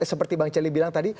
seperti bang celi bilang tadi